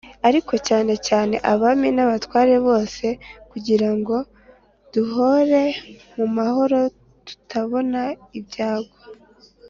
ariko cyane cyane abami n’abatware bose kugira ngo duhore mu mahoro tutabona ibyago